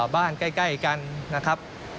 บ้านใกล้กันนะครับ